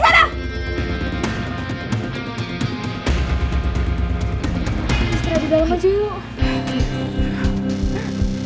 sudah di dalam aja yuk